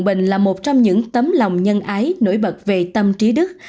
bình là một trong những tấm lòng nhân ái nổi bật về tâm trí đức